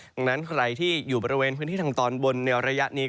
ดังนั้นใครที่อยู่บริเวณพื้นที่ทางตอนบนในระยะนี้